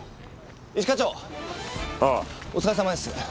一課長お疲れさまです。